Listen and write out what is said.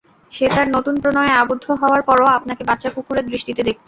সে তার নতুন প্রণয়ে আবদ্ধ হওয়ার পরও আপনাকে বাচ্চা কুকুরের দৃষ্টিতে দেখত।